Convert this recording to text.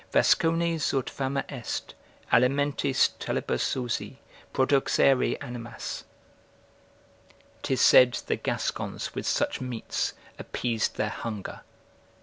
"Vascones, ut fama est, alimentis talibus usi Produxere animas." ["'Tis said the Gascons with such meats appeased their hunger."